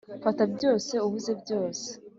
fata byose, ubuze byose.